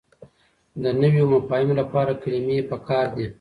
د نويو مفاهيمو لپاره کلمې پکار دي.